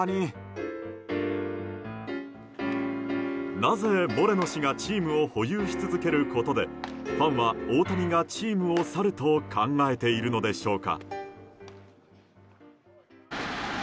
なぜモレノ氏がチームを保有し続けることでファンは、大谷がチームを去ると考えているのでしょうか。